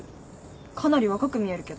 かなり若く見えるけど。